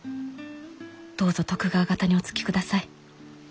どうぞ徳川方におつきください。